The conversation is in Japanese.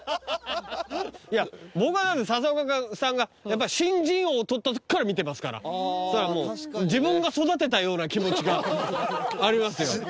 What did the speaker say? いや僕は佐々岡さんがやっぱり新人王を取ったときから見てますからそりゃもう自分が育てたような気持ちがありますよ